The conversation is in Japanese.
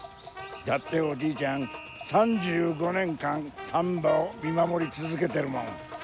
だっておじいちゃん３５年間サンバを見まもりつづけてるもん。